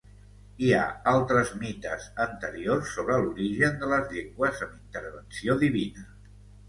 Hi ha altres mites anteriors sobre l'origen de les llengües amb intervenció divina.